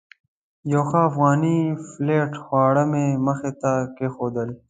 یو ښه افغاني پلیټ خواړه مې مخې ته کېښودل.